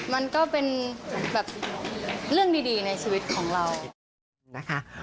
มันก็เป็นแบบเรื่องดีในชีวิตของเรานะคะ